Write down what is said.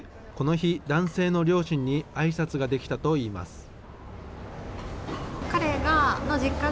この日、男性の両親にあいさつができたといいます。